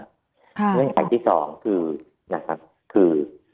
เงื่อนไขที่สองคือ